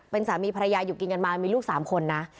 เป็นสามีภรรยาอยู่กินกันมามีลูก๓คนนะ